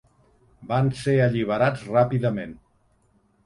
Van ser alliberats ràpidament.